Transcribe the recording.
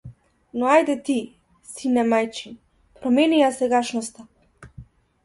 Но ајде ти, сине мајчин, промени ја сегашноста!